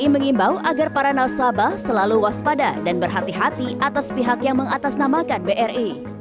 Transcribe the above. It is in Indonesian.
mengimbau agar para nasabah selalu waspada dan berhati hati atas pihak yang mengatasnamakan bri